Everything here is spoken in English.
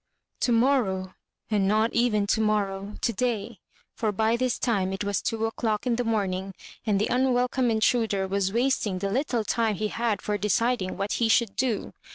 To morrow ; and not even to morrow — ^to day — for by this time it was two o^clock in the room ing, and the unwelcome intruder was wasting ' the little time he had for deciding what he should ' do.